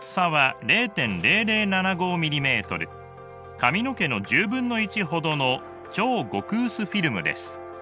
髪の毛の１０分の１ほどの超極薄フィルムです。